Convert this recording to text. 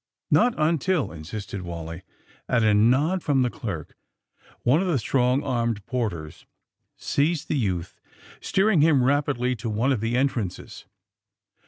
'^Not until " insisted Wally. At a nod from the clerk one of the strong armed porters seized the youth, steering him rapidly to one of the entrances.